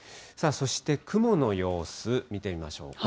そして雲の様子見てみましょう。